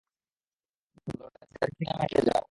Lawrence, গাড়ি থেকে নেমে হেঁটে যাও।